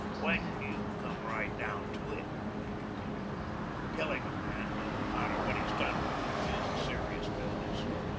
"When you come right down to it," he continued, "killing a man, no matter what he's done to you, is a serious business.